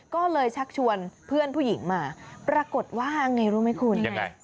ก็เลยชักชวนเพื่อนผู้หญิงมาปรากฏว่าไงรู้ไหมคุณยังไง